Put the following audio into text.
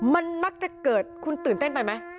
มันมักจะเกิดคุณตื่นเต้นไปไหม